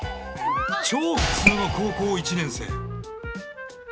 超普通の高校１年生。